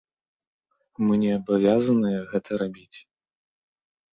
Мы не абавязаныя гэта рабіць.